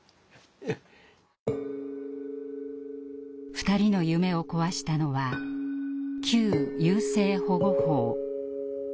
２人の夢を壊したのは旧優生保護法。